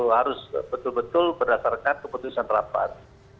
harus betul betul berdasarkan keputusan rapat